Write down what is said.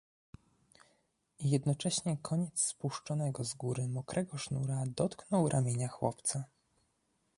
I jednocześnie koniec spuszczonego z góry mokrego sznura dotknął ramienia chłopca.